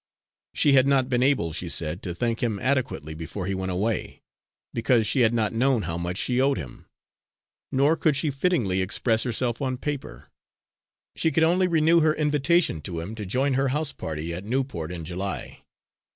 She had not been able, she said, to thank him adequately before he went away, because she had not known how much she owed him; nor could she fittingly express herself on paper. She could only renew her invitation to him to join her house party at Newport in July.